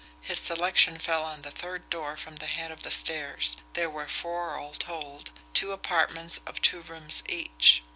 His selection fell on the third door from the head of the stairs there were four all told, two apartments of two rooms each.